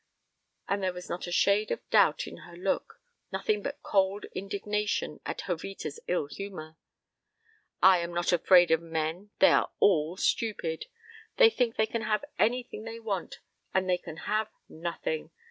And there was not a shade of doubt in her look nothing but cold indignation at Jovita's ill humor. "I am not afraid of men. They are all stupid. They think they can have anything they want, and they can have nothing.